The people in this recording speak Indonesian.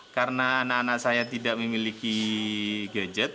karena anak anak saya tidak memiliki gadget